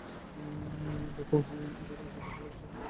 দেখো, এরা সবাই রাধেকে ভালোবাসে তাই তার কষ্ট পাচ্ছে।